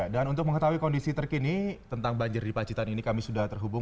dan untuk mengetahui kondisi terkini tentang banjir di pacitan ini kami sudah terhubung